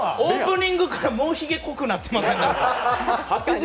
オープニングからもう、ひげ濃くなってません？